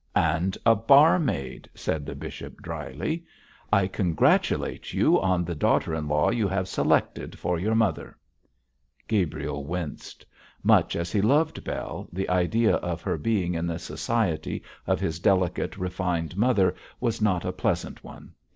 'And a barmaid,' said the bishop, dryly. 'I congratulate you on the daughter in law you have selected for your mother!' Gabriel winced. Much as he loved Bell, the idea of her being in the society of his delicate, refined mother was not a pleasant one.